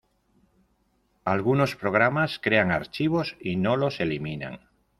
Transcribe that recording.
Algunos programas crean archivos y no los eliminan.